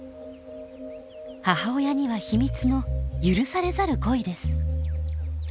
母親には秘密の許されざる恋です。